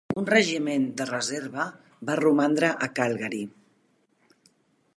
Un regiment de reserva va romandre a Calgary.